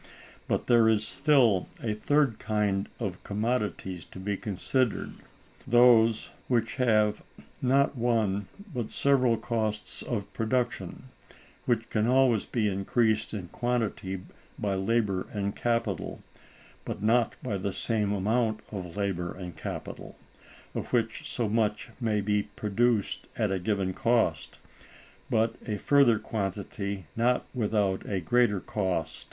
But there is still a third kind of commodities to be considered—those which have, not one, but several costs of production; which can always be increased in quantity by labor and capital, but not by the same amount of labor and capital; of which so much may be produced at a given cost, but a further quantity not without a greater cost.